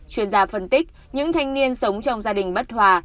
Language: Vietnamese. chuyên gia phân tích những thanh niên sống trong gia đình bất hòa